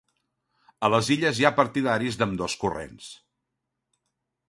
A les Illes hi ha partidaris d'ambdós corrents.